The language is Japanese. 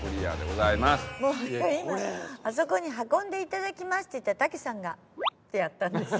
もうね今「あそこに運んでいただきます」って言ったら茸さんがってやったんですよ。